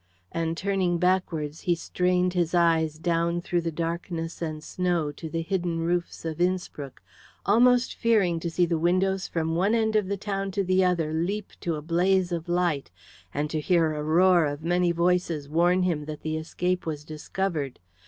And turning backwards he strained his eyes down through the darkness and snow to the hidden roofs of Innspruck, almost fearing to see the windows from one end of the town to the other leap to a blaze of light, and to hear a roar of many voices warn him that the escape was discovered.